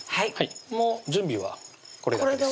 もう準備はこれだけです